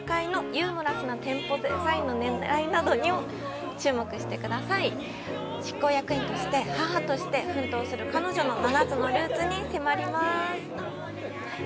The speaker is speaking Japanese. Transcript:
ユーモラスな店舗デザインの狙いにも執行役員として、母として奮闘する彼女の７つのルールに迫ります！